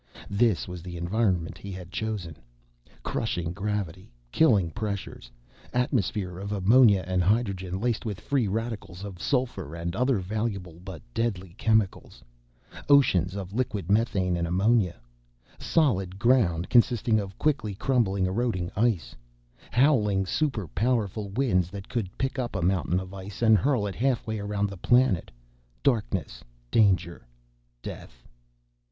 This was the environment he had chosen: crushing gravity; killing pressures; atmosphere of ammonia and hydrogen, laced with free radicals of sulphur and other valuable but deadly chemicals; oceans of liquid methane and ammonia; "solid ground" consisting of quickly crumbling, eroding ice; howling superpowerful winds that could pick up a mountain of ice and hurl it halfway around the planet; darkness; danger; death.